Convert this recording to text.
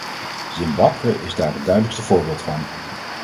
Zimbabwe is daar het duidelijkste voorbeeld van.